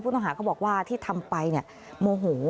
ต้องหาเขาบอกว่าที่ทำไปเนี่ยโมโห